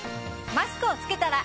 マスクを着けたら。